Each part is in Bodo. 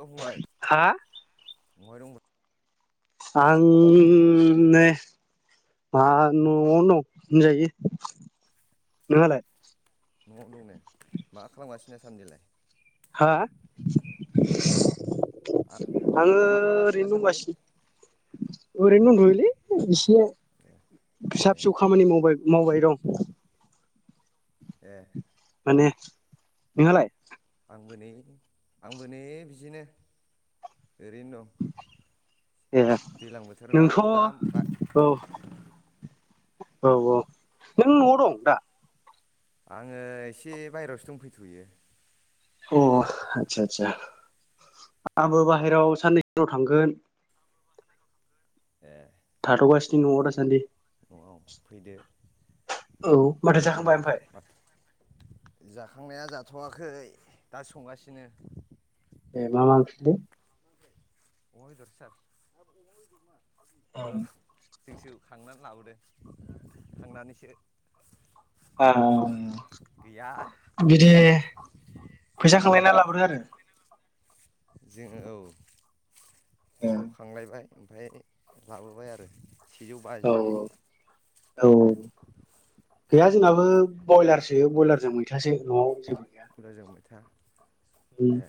हेल' फंबायाय हा दंबाय आं उम ने आ न' आवनो दं होजाय नों हालाइ न'आवनो दं ने मा खालामगासिनो सान्दिलाय हा आङो मा खालामगासिनो ओरैनो दासान्दि दंबासि ओरैनो दंथ'योलै एसे ए फिसा ए फिसौ खामानि मावबाय मावबाय दं ए माने नोंहालाय आंबो नै आंबो नै बिदिनो ओरैनो दं ए दैज्लां बोथोर ना नोंथ' दा औ आमफ्राय औ औ नों न'आव दं दा आङो एसे बायेरायावसो दंफैथ'यो अ आदसा आदसा आंबो बाहेरायाव साननै उनाव थांगोन ए थाथ'गासिनो न'आव दासानदि न'आव फैदो औ माथो नै जाखांबाय ओमफाय जाखांनाया जाथ'वाखै दा संगासिनो ए मा मा ओंख्रिलै अमा बेदर सार ओ जों जौ खांनानै लाबोदो खांनानैसो औ गैया बिदि फैसा खांलायना बोरै जानो जोङो औ ए ज' खांलायबाय ओमफ्राय लाबोबाय आरो सेजौ औ बाजिनि औ गैया जोंनाबो बयलार बे ब्रयलारजों मैथासो न'आव जेबो गैया मुलाजों मैथा उम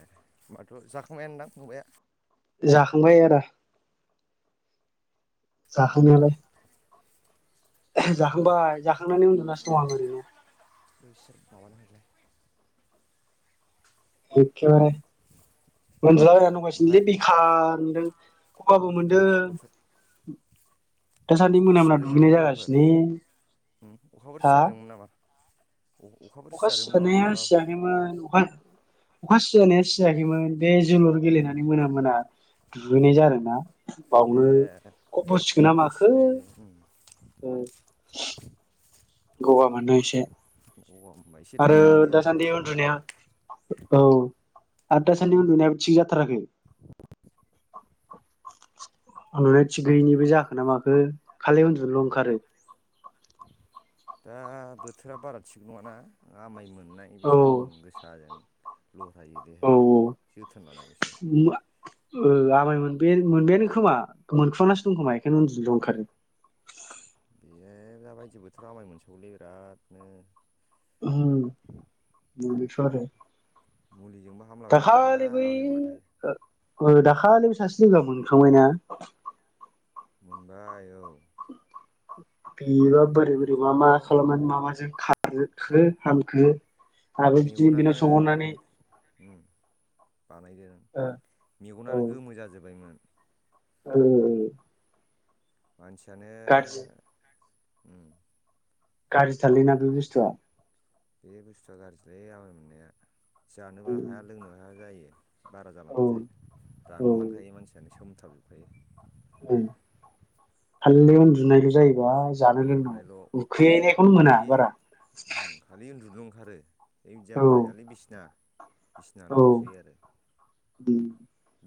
थ' जाखांबायानोदां फंबाया जाखांबाय आदा जाखांनायालाय जाखांबाय जाखांनानै उन्दुनासो दं आं ओरैनो [inaudible] एखेबारे मोनजाया ओमफ्राय रोनावगासिनोलै बिखार मोनदों गगाबो मोन दों बोथोर अखाफोर सिजादों नामा अहायबाफोर अखाफोर हा सिजादोंमोन नामा? अखाफोर अखा सिजादोंमोन नामा सिजानाया माबाफोर सियाखैमोन अखा अखास सिजानाया सियाखैमोन बे जोलुर गेलेनानै मोना मोना दुगैनाय जादोंना ए बावनो खब बसिखोना माखो खब'सिलै गगा मानदों एसे होनबा एसे थाल आरो ला देहाखौ दासान्दि उन्दुनाया औ आदथासाननि उन्दुनायाबो थिग जाथाराखै उन्दुनाय थिगगैयिनिबो जाखो ना माखो खालि उन्दुनोल' ओंखारो दा बोथोरा बारा थिग नङाना आमायमोन मोननाय बे औ सान्दुं गोसाजों लरायो औ देहाया जोथोन लानांगौ एसे ओ आमाय मोन मोनबायानो खोमा मोनफामनासो दं खोमा बेखायनो उन्दुनोल' ओंखारो ए दाबायदि बोथोर आमाय मोनसावोलै बिरादनो ओहोम मोनोस थ' आरो मुलिजोंबो हामलाबायनो नागिरा दाखालि बै आमाय मोनबानो ओ दाखालिबो सासे लोगोआ मोनखांबायना मोनबाय औ [inaudible] बेबा बोरै बोरै बेथ' मा मा खालामनानै मा माजों खा खो हांखो आरो बिदिनो बिनाव मेगनानो सोंहरनानै उम। बानायदों। ओ औ मेगनानो गोमो जाजोब्बायमोन। [inaudible] मानसियानो गाज्रि उम गारजिथारलै ना बे बुस्थुआ। बे बुस्थुआ गारजिलै आमाय मोननाया। जानोबो हाया लोंनोबो हाया जायो। बारा औ जालांबाथाय औ रानलांखायो मानसियानो। सोमथाबजोबखायो। खालि उन्दुनायल' जायोबा। जानो लोंनो उन्दुनायल' उखैनायखौनो मोना खालि बारा। उम खालि उन्दुनोल' ओंखारो। बिदि औ जाबाथाय खालि बिसिना औ बिसनाल'सै उम आरो।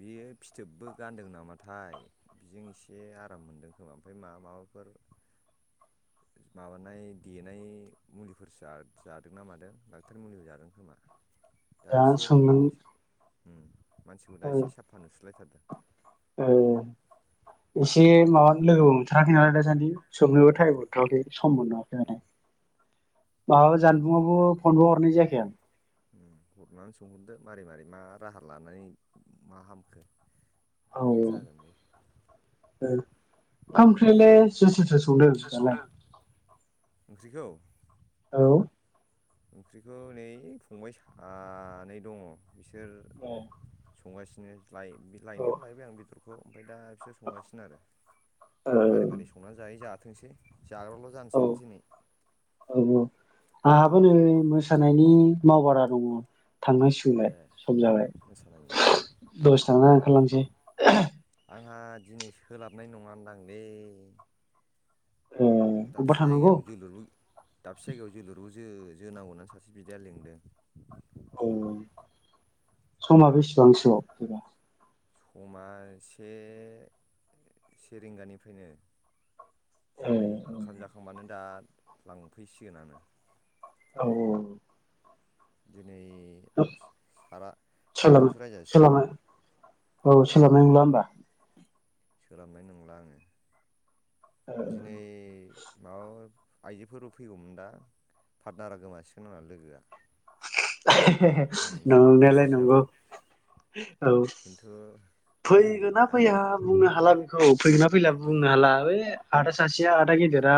बियो फिथोबबो गानदों नामाथाय बिजों एसे आराम मोनदों खोमा ओमफ्राय मा-माबाफोर माबानाय देनाय मुलिफोर जा जादोंना मादों डाख्टार मुलिबो जादों खोमा। दा एसे उम दा ओ एसे साफा नु गुलायथारदों। ओ एसे माबानो लोगो हमथाराखै नालाय दासान्दि। सोबनोबो थाइम उम मोनथ'याखै सम नुवाखै उम माने माबाबा जानबुंआवबो फनबो हरनाय जायाखै आं। हरनानै सोंहरदो मारै मारै मा राहा लानानै मा हामखो। औ औ जागोन बे ओ। ओमफ्रायलाय सोर सोरथो संदों दालाय? ओंख्रिखौ? औ। ओंख्रिखौ नै फंबाय सानै दङ'। बिसोर ए संगासिनो। लाय बे औ लायनायाव लायबाय आं बेदर खौ ओमफाय दा बिसोर संगासिनो आरो।। ओ मारै मारै संना जायो जा थोंसै। जाग्रल' औ जानसां दिनै। औ आंहाबो नै मोसानायनि मावबादा दङ'। थांनांसिगौलाय सम जाबाय [inaudible] दसे थाना ओंखारलांसै आंहा दिनै सोलाबनाय नङानदांलै। ओ अबेबा दाबसे थांनांगौ जायगायाव जोलुरबो दाबसे जायगायाव जोलुरबो। जो-जोनांगौना सासे बिदाया लिंदों। औ समा बेसेबांसोआव बेबा? समा से से रिंगानिफ्रायनो। दा ए नै ओंखाम जाखांबानो दा लांफैसिगोनानो। औ औ। दिनै [unintelligible] औ सारा सारजोंसो रायजासिगोन आं सोलाबनाय नंला होमबा। सोलाबनाय नोंला आङो। दिनै माबा आइजोफोरबो फैगौमोन दा पार्टनारा गोमासिगोन आंना लोगोआ। [inaudible] हे हे हे आं जोबोद नंनाया लाय दुखुसो नंगौ जाबाय औ। खिन्थु आंनि फैगोन ना आंनि फैया बुंनो हाला बेखौ फैगोन ना फैला बुंनो हाला। आरे आदा सासेया आदा गेदेरा।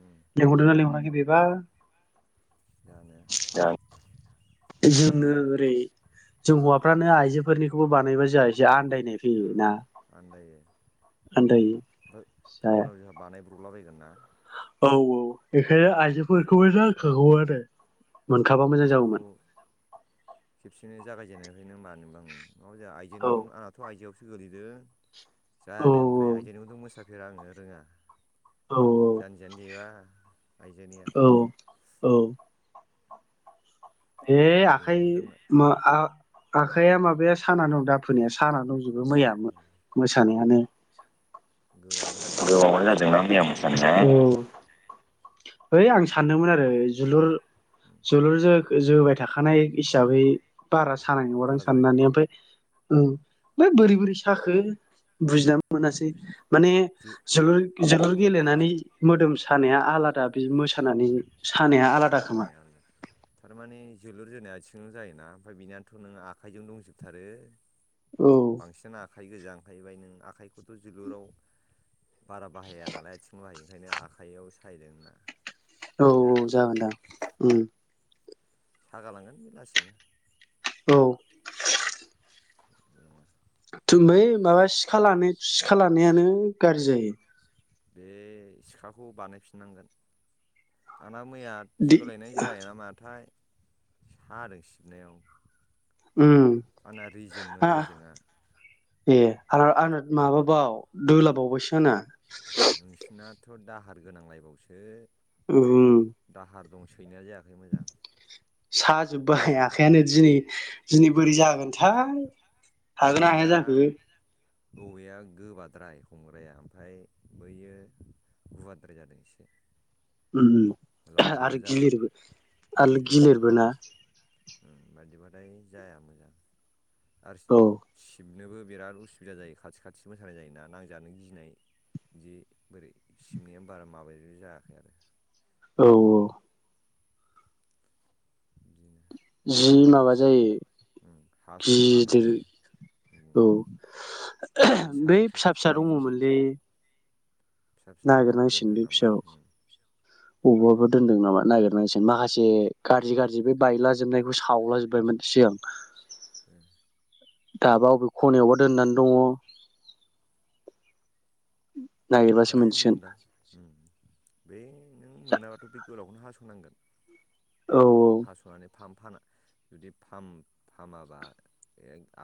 उम लेंहरदोना लेंहराखै। बेबा। जानो [unintelligible] जोंनो ओरै जों हौवाफ्रानो आइजोफोरनिखौबो बानायबा जा [unintelligible] आन्दाय ओं आन्दायो जायो आन्दायो आरो ओम ओमफ्राय जाया उनाव जोंहा बानाय [unintelligible] औ औ बेखायनो आइजोफोरखौबो नांखागौ आरो। मोनखाबा मोजां जागौमोन। बिदिनो जागायजेननायनिफ्रायनो मानो बांनो मावजाया औ आइजोनिखौनो आंनाथ' आइजोआवसो। गोलैदो। जानो ओमफ्राय आइजोनिखौथ मोसा बेर आङो रोङा। औ जानजियानो देबा आइजोनिया औ औ। हे आखाय लिंहरदोंमोन मा आ आखाइया माबाया साना दं दाफोनाया साना दंजो मैया जानायानो गोबावानो जादोंना मैया गोबावानो जादोंना मोसानाया मैया मोसानाया औ है ओइ आं सानदोंमोन आरो जोलुर जोलुरजों जोबाय थाखानाय हिसाबै बारा सानाय नगादां बारा जानाय साननानै नङा ओमफाय औ बोरै बोरै साखो बुजिनाम मोनासै माने जो जोलुर जोलुर उम गेलेनानै मोदोम सानाया आलादा बे मोसानानै उम सानाया आलादा खोमा सानाया आंना थारमाने जोलुर जोनाया आथिंल' जायोना ओमफफ्राय बिनियाथ' नोङो आखाइजों दंजोबथारो औ बांसिन आ आखाइ गोजां थाहैबाय नों आखाइखौथ' जोलुराव बारा बाहाया नालाय आथिंल हायो ओंखायनो आखाइयाव सायदों ना औ औ जागोनदां ओम सागालांगोन लासिनो औ [inaudible] थुमै माबा सि सिखा लानाय सिखा लानायानो। गारजि जायो बे सिखाखौ बानायफिननांगोन मा मैया दि सोलायनाय जाया नामाथाय सादों सिननायाव उम आंना रेजेंमोन रेजेंआ आरो आना माबाबाव दोलाबावबायसो आंना नोंसिना थ' दाहार गोनांलायबावसो दाहार दं सैनाया जायाखै मोजां साजोबबाय बेखौ आखाइानो उम दिनै दिनै बोरै जागोनथाय हागोना हाया जाखो औवया गोबाद्राय हमग्राया ओमफ्राय बैयो गुवारद्राय जादों एसे उम। लावद्रायबो आरो जादों गिलिरबो आरो गिलिर जादों, गिलिरबो ना ओम बायदि बा ओमफ्राय जाया मोजां। आरोस औ सि बनोबो बिराद उसुबिदा जायो, खाथि खाथि मोसानाय जायोना। नांजानो गिनाय बिदि बोरै सिबनाया बारा माबाय जायाखै आरो औ औ। बिदिनो जि माबा दाहायफोर जायो हास'ना लानो गिदिर हायो औ बे बै सारथ' फिसा फिसा सारा दंङमोनलै। फिसाखौबाबो नागिरनांसिगन दोनदों बे फिसाखौ, नामा अबबाफोर। अबावबा माबा नागिरनायसै दोनदों नामा? नागिरनायसिग माखासे माखासे गाज्रि गाज्रि बे गाज्रि बायलाजोबनायखौ सावलाजोब्बायमोन सिगां। [inaudible] दाबा बबे खनायावबा दोननानै दङ। उ। बाहायनो दं दां। बे नों मोनाबाथ' बे गोलावखौनो हासंनांगोन। औ हासुनानै फाम फाना जुदि फाम-फामाबा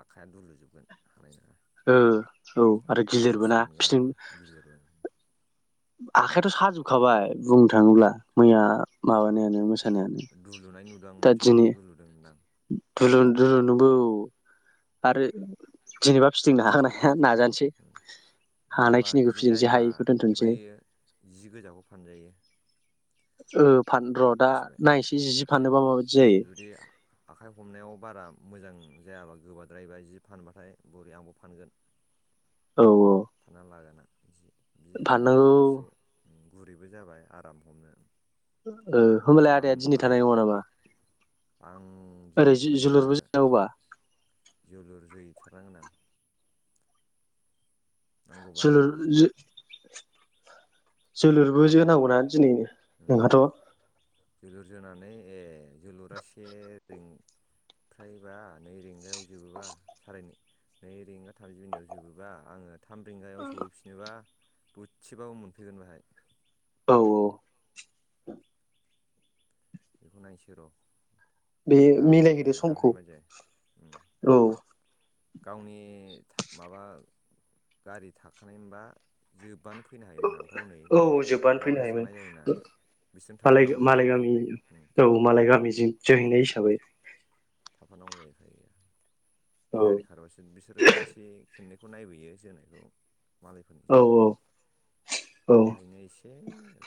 आखाइया दुलुजोबगोन हानाय नङा। ओ। औ आरो सानो गिदिरबो खस्थ' ना मोनगोन फिथिं आरो गिलिरबो आखायाथ साजोबखाबाय बुंनो थाङोब्ला मैया माबानायानो मोस दुलुनाय नुदों आं माथो दुलुदों होनदां? दलु-दुलुदोंबो औ आरो जेनेबा फिथिंनो हागोनना हाया। नाजानोसै माबा हानायखिनिखौ बिदि फिदिंसै जायोबा हायिखौ दोनथ'नोसै बै जि गोजाखौ फानजायो। औ। फान र दा मिथिबाय नायसै जि फानोबा माबायदि जायो। जुदि आखाइ हमनायाव बारा मोजां जायाबा गोबाद्रायबाय जि फानबाथाय बरिया आंबो फानगोन। औ औ। लागोनां जि। जि फानबा फाननांगौ एसे उम गुरैबो जाबाय आराम हमनो। होमबलाय आं आदाया दिनै आं थानाय नङा नामा? आं दिनै ओरै थानाय नोङा जोलुरबो हो जोनांगौबा जोलुर जै थार नांगोन आं। नांगौबा आं जोलुर जोलुरबो जोनांगौना दिनैनो नोंहाथ? [unintelligible] जोलुर जोनानै ए जोलुरा से रिं फ्रायबा नै रिंगायाव जोबोबा सारायनै नै रिंगा थामजि मिनिट आव जोबोबा आङो थाम रिंगायाव सहैफिनोबा दोसेबाबो मोनफैगोन बाहाय। औ औ बेखौ नायनोसै र' बे गाबोन ओ मिलायहैदो दाहाय समखौ माजे उम औ गावनि था माबा गारि थाखानाय मोनबा जोबबानो फैनो हायोमोन आं ओमफाय हनै औ जोब्बानो फैनो माबानियावसो हायोमोन थांनाय जायोना बिसोरजों मालाय थाफानांगौ मालाय जायो गामि थानाय औ मालाय गामिजों जोहैनाय हिसाबै। थाफानांगौ जायो उफाय गैया बे औ गारि खारबासो बिसोरो खेनसे खेननै खौ नायबोयो जोनायखौ। मालायफोरनि जोनायखौ औ औ बाहायनो एसे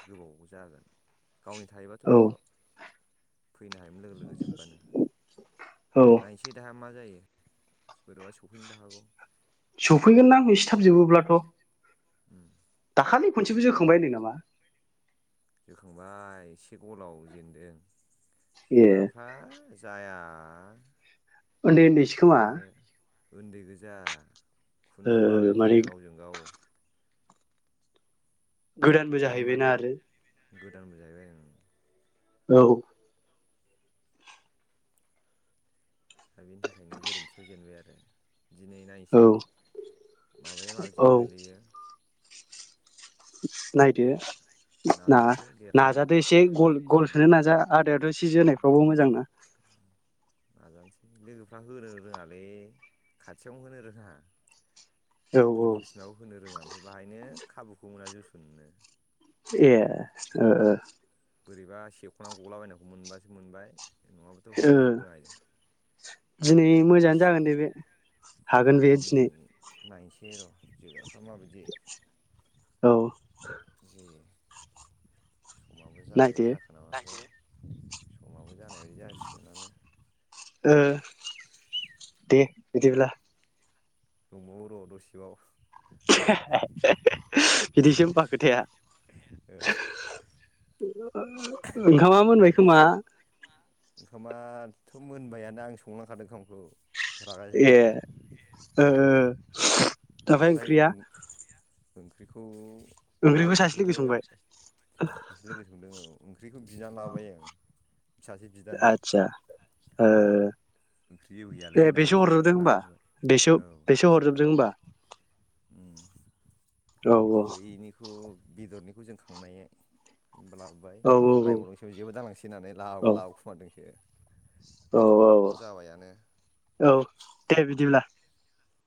गोबाव जा जागोन। गावनि थायोबाथ' औ फैनो हायोमोन लोगो लोगो जोबबानो। औ नायनोसै दाहा मा मा जायो बोरैबा सौफैनोबो हागौ सफैगोन ना एसे थाब जोबोब्लाथ' उम दाखालि खनसेबो जोखांबाय होनदों नामा? जोखांबाय एसे गलाव जेेनदों। ए जोग्राफ्रा जाया। आ उन्दै उन्दैसो खोमा उन्दै गोजा खुनु ओ माबायानो माने गैया गावजों गाव गोदानबो जाहैबायना एकदमबारे आरो गोदानबो जाहैबाय ओं औ दा बेनि थाखायनो गोरोन्थियाव जेनबाय आरो दिनै औ नायनोसै औ माबाया माबिजों औ गोलैयो औ नायदो ना नाजानोसै देरहानो नाजादो एसे गल उम गलसोनो नाजा आदायाथ' सि जोनायफ्रावबो मोजां ना नाजानोसै लोगोफ्रा होनो रोङालै खाथियावनो होनो रोङा। औ बल होफिनबाबो होनो रोङाम ओ बाहायनो खाबुखौ मोना जोसननोनो। ए ओ ओ बोरैबा सेख'ना गलाबायनायखौ मोनबासो मोनबाय। नङाबाथ' ओ होनोनो रोङा दिनै मोजाङानो जागोन दे बे हागोन बे दिनै। नायनोसै र' जेरा फ्रा माबायदि औ जोयो समाबो जानाय नायदो जाखोना माखोथाय समाबो जानाय बायदि जासिगोनानो। ओ दे बिदिब्ला। दंबावो र' दसेबाव बिदिसो होनबा खोथाया ओंखामा मोनबाय खोमा। ओंखामाथ' मोनबायानो आं संलांखादों ओंखामखौ। रागा ए जोंनानै ओ ओ दाहाय ओमफ्राय ओंख्रिया ओंख्रिखौ ओंख्रिखौ सासे लोगो ओंख्रिखौबो संबाय सासे लोगो संदों औ ओंख्रिखौ बिना लाबाय आं सासे बिदानाव। आदसा ओ ओंख्रि एवहैयालै ए होननानै बेसो हरजोबदों होमबा लांहोबाय बेसो औ बेसो हरजोबदों होमबा? उम औ बैनिखौ बेदरनि खौ जों खांनाय नै लाबोबाय औ रायबावदोंसो बे जेबो दा लांसै होननानै औ लाब लाबोखुमादोंसो। औ औ औ दे बिदिब्ला।